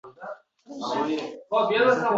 tongda mashq qilish kabi oddiy odat ham uyg‘onishiga